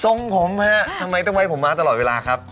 ทรงผมฮะทำไมต้องไว้ผมมาตลอดเวลาครับ